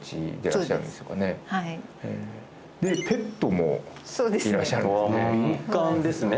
そうですはいペットもいらっしゃるんですね